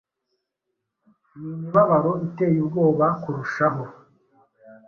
N'imibabaro iteye ubwoba kurushaho